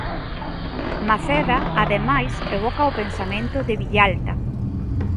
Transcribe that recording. Maceda, ademais, evoca o pensamento de Villalta.